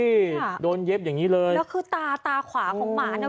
นี่ค่ะโดนเย็บอย่างงี้เลยแล้วคือตาตาขวาของหมาเนี่ย